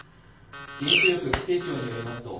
原子力規制庁によります